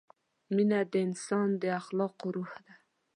مینه د انسان د اخلاقو روح ده.